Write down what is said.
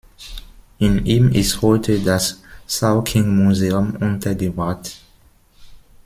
In ihm ist heute das Zhaoqing-Museum untergebracht.